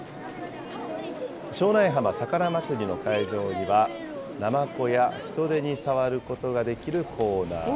庄内浜魚まつりの会場には、ナマコやヒトデに触ることができるコーナーも。